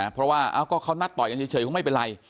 เพราะว่าเขานัดต่อยกันเฉยคงไม่เป็นไร